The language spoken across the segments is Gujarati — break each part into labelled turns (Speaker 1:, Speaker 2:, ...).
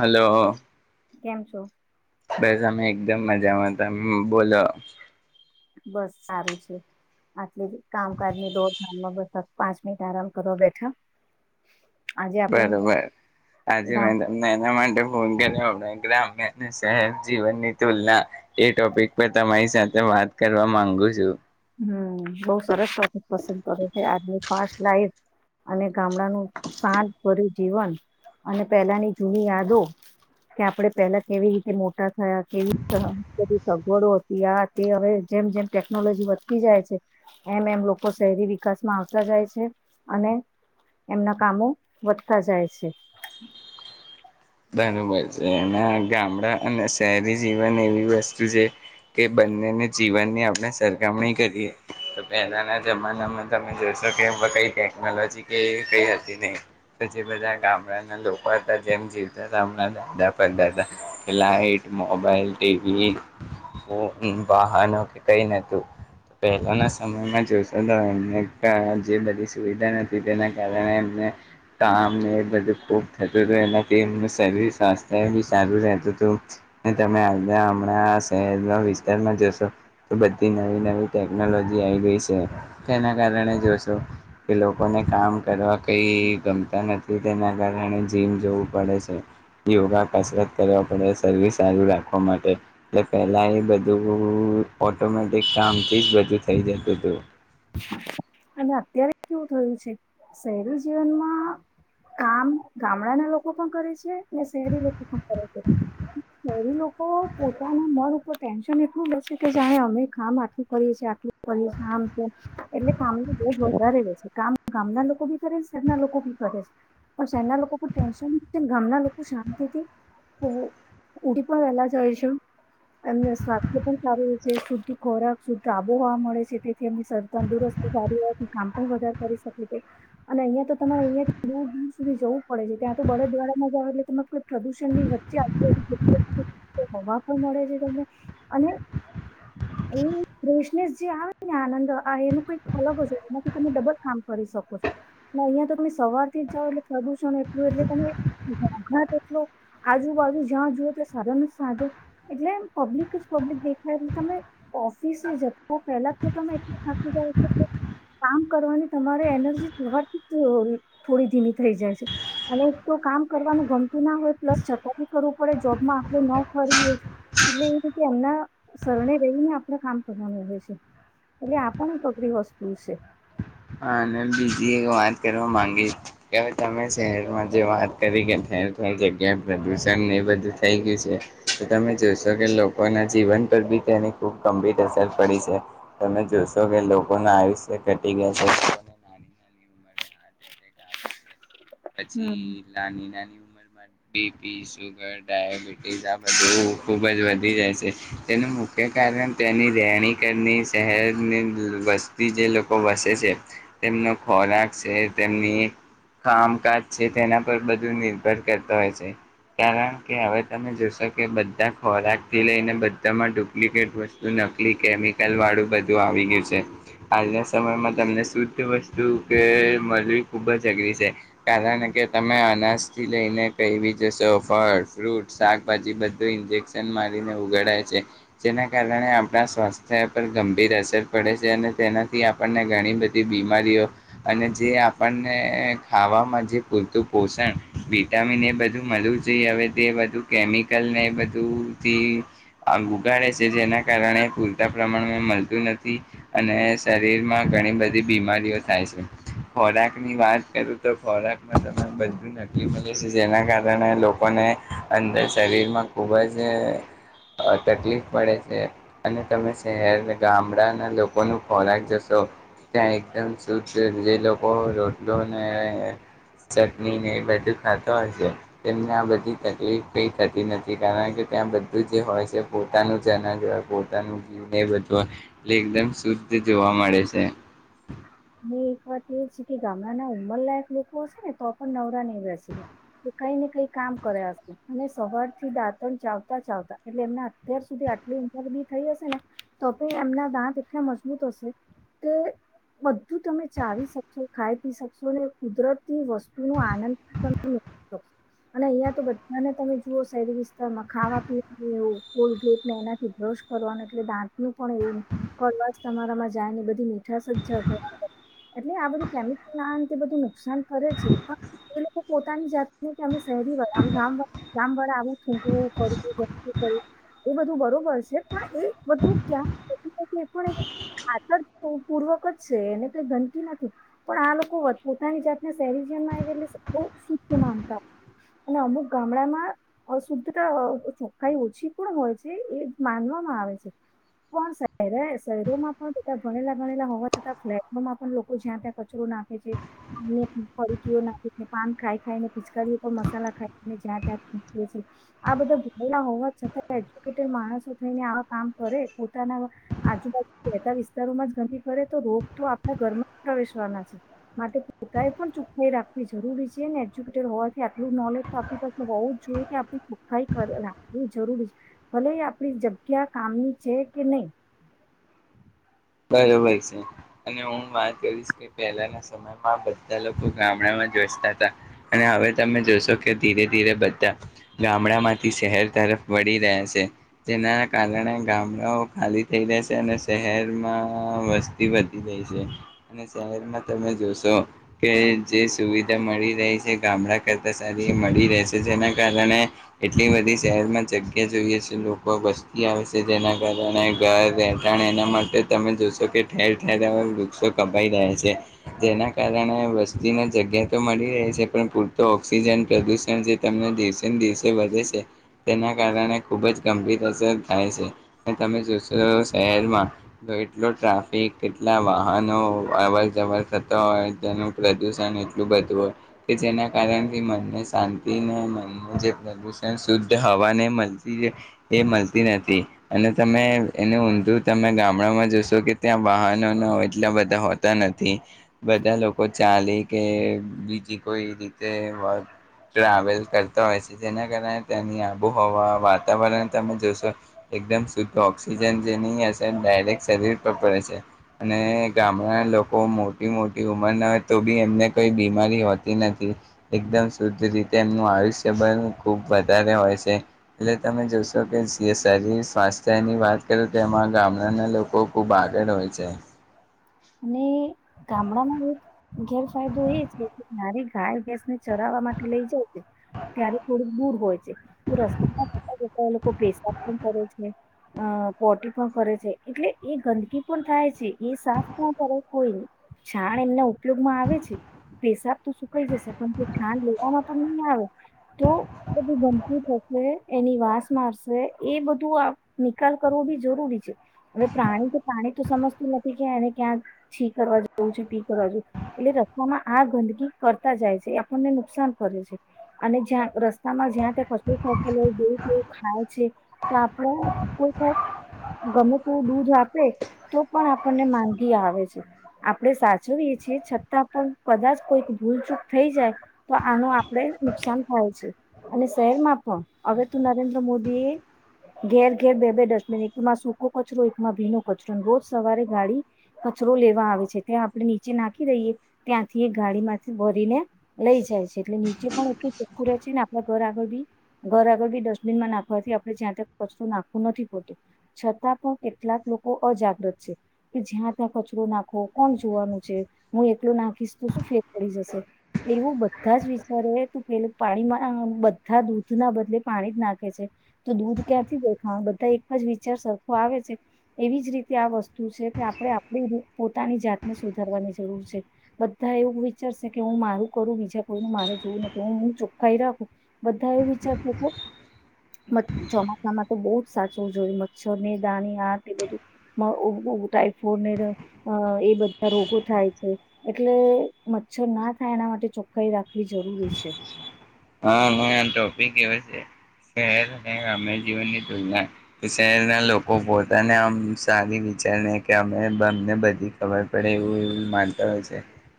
Speaker 1: હલો
Speaker 2: કેમ છો
Speaker 1: બસ અમે એકદમ મજામાં તમ બોલો
Speaker 2: બસ સારું છે એટ કામકાજ ની દોર ધામ માં બ પાંચ મિનિટ આરામ કરો બેઠા આજે આપણે
Speaker 1: બરોબર આજે
Speaker 2: ગામ
Speaker 1: નૈના મેડમ હણા ગ્રામ્ય અને શહેર જીવનની તુલના એ ટોપિક પર તમારી સાથે વાત કરવા માંગુ છું
Speaker 2: હમ બઉ સરસ સાથે પસંદ કરે છે આ ફાસ લાઈફ અને ગામડાનું સાજ કરીરી જીવન અને પહેલાની જૂની યાદો કે આપણે પહેલા કેવી રીતે મોટા થયા કેવી બધી સગવડો ત્યાં તે હવે જેમ જેમ ટેકનોલોજી વધી થી જાય છે એમ એમ લોકો શહેરી વિકાસમાં આવતા જાય છે અને એમના કામો વધતા જાય છે
Speaker 1: બર છે એના ગામડા અને શહેરી જીવન એવી વસ્તુ છે કે બંનેને જ જીવનની આપણે સરખામણી કરીએ તો પહેલાંના જમાનામાં તમે જોશો કે એમાં કંઈ ટેકનોલોજી કે કંઈ હતી નહીં તો જે બધા ગામડાના લોકો હતા જેમ જીવ ત હમણાં દાદા પર દાદા લાાઈટ મોબાઈલ ટીવી ફોન વાહનો કે કંઈ નહોતું પહેલાના સમયમાં જોશો તો એમને જે બધી સુવિધા નથીતી તેના કારણે એમને કામને એ બધું ખૂબ થતું હતું એના તેમનું શરીર સ્વાસ્થ્ય બી સારું રહેતું હતું ને તમે આજના હમણાં શહેરના વિસ્તારમાં જશો તો બધી નવી નવી ટેકનોલોજી આવી ગઈ છે તેના કારણે જોશો કે લોકોને કામ કરવા કંઈ ગમતા નથી તેના કારણે જીમ જોવું પડે છે યોગા કસરત કરવા પડે શરીર સારું રાખવા માટે એટલે પેલા એ બધું ઓટોમેટિક કામથી જ બધું થઈ જતું તું
Speaker 2: અને અત્યારે કેવું થયું છે શહેરી જીવનમાં કામ ગામડાના લોકો પણ કરે છે ના શેરી લ લોકો સંપર [inaudible] પોતાના મન ઉપર ટેન્શન એટલું લશે કે જાણે અમે કામ આટલું કરીએ છીએ આટલું કરીએ આમ તો એટલે કામ તો બહુ જ વધારે રહે છે કામ ગામના લોકો ભી કરે શહેરના લોકો ભી કરે છે ના લોકો કો ટેન્શન ગામના લોકો શાંતિથીઉ ઉડી પણ વેલા જાય છે એમને સ્વાસ્થ્ય પણ સારું હો છે શુદ્ધ ખોરાક શુદ્ધ આબોહવા મળે છે અનુ સર તંદુરસ્ત કામ પણ વધારે કરી શકે છે અને અહિયાં તો તમારે અહિયાં દૂર દૂર સુધી જવું પડે છે ત્યાં તો બળદ દ્વારામાંજ આવે એટલે ત પ્રદૂષણ ની વચ્ચે આ હવા પણ મળે છે તમને અને એ ફેશનેસ જે આવે ને આનંદ આ એનું કઈક અલગ જ હોય એમાંથી તમે ડબલ કામ કરી શકો છો અહિયાં તો તમે સવાર થી જ જાવ એટલે પ્રદુષણ બરલે તમે [inaudible] લો આજુબાજુ જ્યાં જુઓ ત્યાં સાધો ન સાધો એટલે પબ્લિક જ પબ્લિક દેખાય એટલે તમે ઓફિસે જતા પહેલા જ તો તમે એટલું થકી જાવ છે કે કામ કરવાની તમારે એનર્જી થવાથી થોડી ધીમી થઈ જાય છે અને તો કામ કરવાનું ગમતું ના હોય પ્લસ છતા બી કરવું પડે જોબમાં આપણે ન ફરીએ એટલે એવી રીતે એમના શરણે જઈને આપણે કામ કરવાનું હોય છે એટલે આપણ એક અઘરી વસ્તુ છે.
Speaker 1: હા અને બીજી એક વાત કરવા માંગી કે હવે તમે શહેરમાં જે વાત કરી કે ઠેર ઠેર જગ્યાએ પ્રદુષણ એ બધું થઈ ગયું છે તો તમે જોશો કે લોકોના જીવન પર બી તેની ખૂબ ગંભીર અસર પડી છે તમે જોશો કે લોકોના આયુષ્ય ઘટી ગયા [inaudible] ઉંમરે હાર્ટ એટેક આવે છે
Speaker 2: હમ
Speaker 1: પછી નાની નાની બીપી સુુગર ડાયાબિટીસ આ બધું ખૂબ જ વધી જાય છે તેનું મુખ્ય કારણ તેની રહેણી કરની શહેરની વસતી જે લોકો વસે છે તેમનો ખોરાક છે તેમની કામ કાજ છે તેના પર બધું નિર્ભર કરતો હોય છે કારણ કે હવે તમે જોશો કે બધા ખોરાકથી લઈને બધામાં ડુપ્લિકેટ વસ્તુ નકલી કેમિકલ વાળું બધું આવી ગયું છે હાલના સમયમાં તમને શુદ્ધ વસ્તુ કે મળવી ખૂબ જ અઘરી છે. કારણ કે તમે અનાજથી લઈને કઈ બી જોશો ફળ ફ્રૂટ શાકભાજી બધું ઇન્જેક્શન મારીને ઉગાડાય છે જેના કારણે આપણા સ્વાસ્થ્ય પર ગંભીર અસર પડે છે અને તેનાથી આપણને ઘણી બધી બીમારીઓ અને જે આપણને ખાવામાં જે પૂરતું પોષણ વિટામિન એ બધું મળવું જોઈએ હવે તે બધું કેમિકલને એ બધુંથી ઉગાડે છે જેના કારણે પૂરતા પ્રમાણમાં મળતું નથી અને શરીરમાં ઘણી બધી બીમારીઓ થાય છે ખોરાકની વાત કરું તો ખોરાકમાં તમને બધું નકલી મળે છે જેના કારણે લોકોને અંદર શરીરમાં ખૂબ જ તકલીફ પડે છે અને તમે શહેર ગામડાના લોકોનું ખોરાક જશો ત્યાં એકદમ શુદ્ધ જે લોકો રોતલોને ચટણીને એ બધું ખાતો હોય છે તેમને આ બધી તકલીફ કઈ થતી નથી કારણ કે ત્યાં બધું જે હોય છે પોતાનું જનાજ હોય પોતાનું જીવને એ બધુંય એ એકદમ શુદ્ધ જોવા મળે છે.
Speaker 2: એક વાત ગામડાના ઉંમરલાયક લોકો હશે ને તો પણ નવરા નય રહશે એ કઈ ને કઈ કામ કર્યા હશે અને સવારથી દાંતણ ચાવતા ચાવતા એટલે એમના અત્યાર સુધી આટલી ઉમર બી થઈ હશે ને તો પણ એમના દાંત એટલા મજબૂત હશે કે બધુ તમે ચાવી શકશો ખાઈ પી શકશો કુદરતી વસ્તુ નો આનંદ તમે અને અહિયાં તો બધાને તમે જુઓ શહેરી વિસ્તારમાં ખાવા પીવાનું એવું કોલગેટને એનાથી બ્રશ કરવાનું એટલે દાંતનું પણ એવું ન કરવા તમારામાં જાય ને બધી મીઠા સજ જઘડા એટલે આ બધું કેમિકલ ના તે બધું નુકસાન કરે છે પણ એ પોતાની જાતને કેમે શહેરી વારા આમ ગામ ગામવાળા આવું [unintelligible] એ બધું બરોબર છે પણ એ બધું ક્યાં એ પણ એક આતર પૂર્વક જ છે એને ગનતી નથી પણ આ લોકો પોતાની જાતને શહેરીજીવનમાં એટલે બો શુદ્ધ માનતા હો અને અમુક ગામડામાં શુદ્ધતા ચોખખાઈ ઓછી પણ હોય છે એ માનવામાં આવે છે પણ શહે શહેરોમાં પણ બધા ભણેલા ભણેલા હોવા છતાં ફ્લેટ લોકો જ્યા ત્યાં કચરો નાખે છે ફકી નાખે છે પાન ખાય ખાયને પિચકારી મસાલા ખાયને જ્યાં ત્યાં છે આ બધા ભલા હોવા છતાં એજુકેટેડ માણસો થઈને આવા કામ કરે પોતાના આજુબાજુ રહેતા વિસ્તારોમાં જ ગંદી કરે તો રોગ તો ઘરમાં જ પ્રવેશવાના છે માટે પોતાએ પણ ચોખાઈ રાખવી જરૂરી છે ને એજ્યુકેટેડ હોવાથી આટલું નોલેજ તો આપણી પાસે હોવું જ જોઈએ કે આપ ચુખાઈ રાખવી જરૂરી છે ભલે આપણી જગ્યા કામની છે કે નહી
Speaker 1: કર હોય છે અને હું વાત કરીશ કે પહેલાના સમયમાં બધા લોકો ગામડામાં જોસતા હતા અને હવે તમે જોશો કે ધીરે ધીરે બધા ગામડામાંથી શહેર તરફ વળી રહ્યા છે જેના કારણે ગામડાઓ ખાલી થઈ રહે છે અને શહેર મા વસ્તી વધી રહી છે અને શહેરમાં તમે જોશો કે જે સુવિધા મળી રહી છે ગામડા કરતાં સારી એ મળી રહેશે જેના કારણે એટલી બધી શહેરમાં જગ્યા જોઈએ છે લોકો વસ્તી આવે છે જેના કારણે ઘર રહેઠાણ એના માટે માટે તમે જોશો કે ઠેરઠેવા વૃક્ષો કપાઈ રહયા છે જેના કારણે વસ્તીને જગ્યા તો મળી રહે છે પણ પૂરતો ઓક્સિજન પ્રદુષણ જે તમને દિવસે ને દિવસે વધે છે તેના કારણે ખૂબ જ ગંભીર અસર થાય છે અને તમે જોશો શહેરમાં તો એટલો ટ્રાફિક કેટલા વાહનો અવર જવર થતા હોય તેનું પ્રદૂષણ એટલું બધું હોય કે જેના કારણથી મનને શાંતિને મનને જે પ્રદૂષણ શુદ્ધ હવાને મલતી એ મલતી નથી અને તમે એનું ઊંધું તમે ગામ મણામાં જોશો કે ત્યાં વાહનો ના એટલા બધા હોતા નથી. બધા લોકો ચાલે કે બીજી કોઈ રીતે ટ્રાવેલ કરતા હોય છે જેના કારણે તેની આબોહવા વાતાવરણ તમે જોશો એકદમ શુદ્ધ ઓક્સિજન જે નહીં હશે ડાયક શરીર પર પડે છે અને ગામડાના લોકો મોટી મોટી ઉંમરના હોય તો બી એમને કોઈ બીમારી હોતી નથી એકદમ શુદ્ધ રીતે એમનું આયુષ્યબલ ખૂબ વધારે હોય છે એટલે તમે જોશો કે જે શરીર સ્વાસ્થ્યની વાત કરો તો એમાં ગામ ને લોકો ખુબ આગળ હોય છે.
Speaker 2: અને ગામડામાં એક ગેરફાયદો એ છે કે જારે ગાય ફેસને ચરાવા માટે લઈ જાય છે ત્યારે થોડુંક દૂર હોય છે તો રસ્તામાં જતા જતા એ લોકો પેશાબ પણ કરે છે અ પોટી પણ કરે છે એટલે એ ગંદકી પણ થાય છે એ સાફ કોણ કરે કોઈ નહી છાણ એમને એટલોગમાં આવે છે. પેશાબ તો સુકાઈ જશે પણ જો છાણ લેવામાં પણ નહીં આવે તો બધું ગંદકી થશે એની વાસ મારશે એ બધું નિકાલ કરવો બી જરૂરી છે હવે પ્રાણી કે પ્રાણી તો સમજતું નથી કે એને ક્યાં છી કરવા જવું છે પી કરવા જોવ એટલે રસ્તામાં આ ગંદકી કરતા જાય છે આપણને નુકસાન કરે છે અને જ્યાં રસ્તામાં જ્યાં ત્યાં ફસલું ફોકેલો દૂધવું ખાય છે તો આપડ કોઈ ગમે તા દૂધ આપે તો પણ આપણને માન આવે છે આપણે સાચવીએ છેએ છતાં પણ કદાચ કોઈક ભૂલ ચૂક થઈ જાય તો આનો આપણે નુકસાન થાય છે અને શહેરમાં પણ હવે તો નરેન્દ્ર મોદી એ ઘેર ઘેર બે બે ડસ્ટબિન એકમાં સૂકો કચરો એકમાં ભીનો કચરો રોજ સવારે ગાડી કચરો લેવા આવે છે ત્યાં આપણે નીચે નાખી દઈએ ત્યાંથી એ ગાડીમાંથી ભરીને લઈ જાય છે એટલે નીચે પણ એટલું ચોખ્ખું રહે છે ને આપણા ઘર આગળ બી ઘર આગળ બી ડસ્ટબિનમાં નાખવાથી આપણે જ્યાં તા કચરો નાખવો નથી પોતો છતાં પણ કેટલાક લોકો અજાગ્રત છે. કે જ્યાં ત્યાં કચરો નાખો કોણ જોવાનું છે હું એકલો નાખીશ તો શું ફેર પડી જશે એવું બધા જ વિચારે તો પેલુ પાણીમાં બધા દૂધના બદલે પાણી જ નાખે છે તો દૂધ ક્યાંથી દેખા બધા એક જ વિચાર સરખો આવે છે એવી જ રીતે આપણે આપણી પોતાની જાતને સુધારવાની જરૂર છે બધા એવું વિચારશે કે હું મારું કરું બીજા કોઈનું મારે જોવું નથી હું હું ચોખ્ખાઈ રાખું બધા એવું વિચારશે કે ચોમાસામાં તો બહુ જ સાચું જોઈ મચ્છરને દાની હાત એ બધું ટાઈ ફોનેર એ બધા રોગો થાય છે એટલે મચ્છર ના થાય એના માટે ચોખ્ખાઈ રાખવી જરૂરી છે.
Speaker 1: હા ટોપિક એવ છે શહેર અને ગ્રામ્ય જીવનની તુલના શહેરના લોકો પોતાને આમ સારી વિચારને કે અમે અમને બધી ખબર પડે એવું એ માનતા હોય છે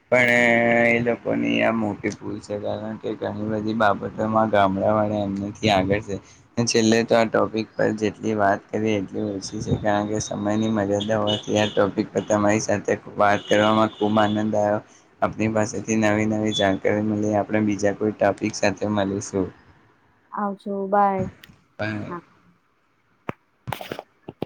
Speaker 1: પણ એ લોકોની આ મોટી ભૂલ છે કારણ કે ઘણી બધી બાબતોમાં ગામડા વળે એમનેથી આગળ છે છેલ્લે તો આ ટોપિક પર જેટલી વાત કરીએ એટલી ઓછી છે કારણ કે સમયની મર્યાદા હોવાથી આ ટોપિક પર તમારી સાથે વાત કરવામાં ખૂબ આનંદ આવ્યો આપણી પાસેથી નવી નવી જાણકારી મળી આપણે બીજા કોઈ ટોપિક સાથે મલી શું
Speaker 2: આવજો બાય હા. [inaudible]